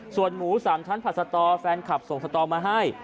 ส่วนหมู๓ชั้นผัดสตอแฟนคลับส่งสตอมาให้